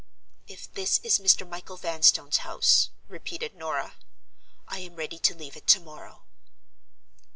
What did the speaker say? "If this is Mr. Michael Vanstone's house," repeated Norah; "I am ready to leave it tomorrow."